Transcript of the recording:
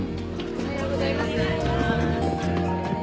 おはようございます。